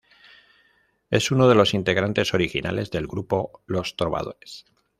Es uno de los integrantes originales del grupo Los Trovadores.